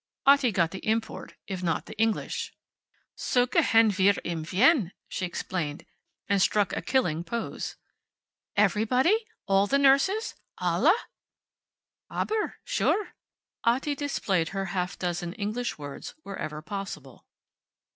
Otti got the import, if not the English. "So gehen wir im Wien," she explained, and struck a killing pose. "Everybody? All the nurses? Alle?" "Aber sure," Otti displayed her half dozen English words whenever possible.